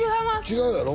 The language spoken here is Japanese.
違うやろ？